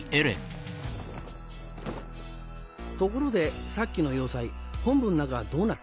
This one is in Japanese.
ところでさっきの要塞本部の中はどうなってる？